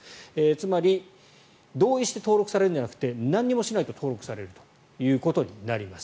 つまり、同意して登録されるんじゃなくて何もしないと登録されるということになります。